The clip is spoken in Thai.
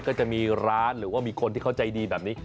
ก็จะมีร้านหรือว่ามีคนที่เขาใจดีแบบนี้